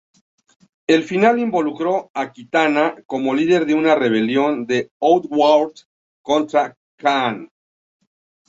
El final involucró a Kitana, como líder de una rebelión de Outworld contra Kahn.